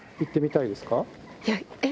いや、えっ？